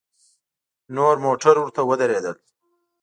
نور موټر ورته ودرېدل.